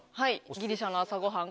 ギリシャの朝ごはん